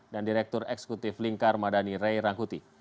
dan direktur eksekutif lingkar madani ray rangkuti